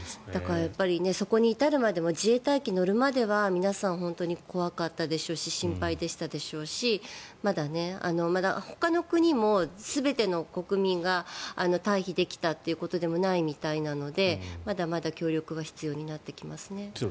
そこに至るまでも自衛隊機に乗るまでは皆さん本当に怖かったでしょうし心配でしたでしょうしまだほかの国も全ての国民が退避できたということでもないみたいなのでまだまだ協力が必要になってきますね。